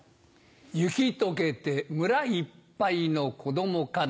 雪とけて村いっぱいの子どもかな。